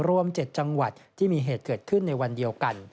รวม๗จังหวัดที่มีเหตุเกิดขึ้นในวันเดียวกัน